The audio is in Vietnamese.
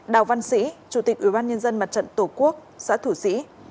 đào văn sĩ chủ tịch ubnd mặt trận tổ quốc xã thủ sĩ